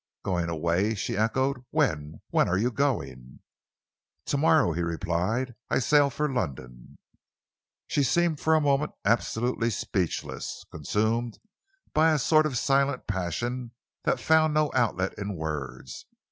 "Going away?" she echoed. "When? When are you going?" "To morrow," he replied, "I sail for London." She seemed for a moment absolutely speechless, consumed by a sort of silent passion that found no outlet in words.